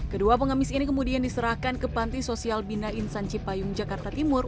kedua pengemis ini kemudian diserahkan ke panti sosial bina insan cipayung jakarta timur